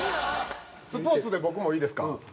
スポーツで僕もいいですか？